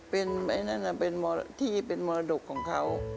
เป็นที่มรดกของเขา